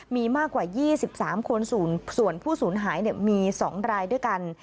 มีมากกว่า๒๓คนส่วนผู้สูญหายมี๒รายด้วยกัน